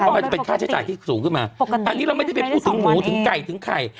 มันจะเป็นค่าใช้จ่ายที่สูงขึ้นมาปกติอันนี้เราไม่ได้ไปพูดถึงหมูถึงไก่ถึงไข่